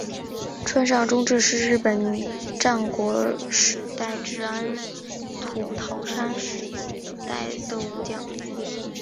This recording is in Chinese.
川上忠智是日本战国时代至安土桃山时代的武将。